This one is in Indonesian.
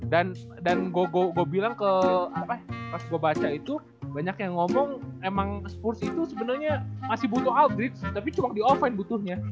dan dan gue bilang ke apa pas gue baca itu banyak yang ngomong emang spurs itu sebenernya masih butuh aldrich tapi cuma di offline butuhnya